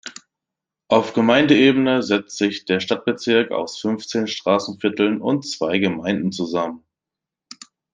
Auf Gemeindeebene setzt sich der Stadtbezirk aus fünfzehn Straßenvierteln und zwei Gemeinden zusammen.